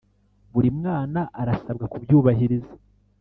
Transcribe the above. buri mwana arasabwa kubyubahiriza